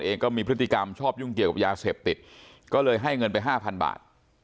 เองก็มีพฤติกรรมชอบยุ่งเกี่ยวกับยาเสพติดก็เลยให้เงินไปห้าพันบาท